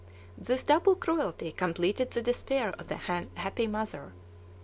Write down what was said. This double cruelty completed the despair of the unhappy mother.